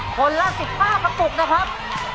คนละ๑๕กระปุกนะครับ